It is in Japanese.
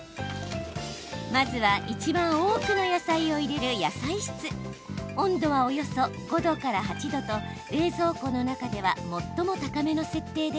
まずは一番多くの野菜を入れる温度はおよそ５度から８度と冷蔵庫の中では最も高めの設定です。